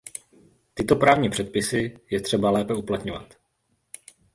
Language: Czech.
Tyto právní předpisy je třeba lépe uplatňovat.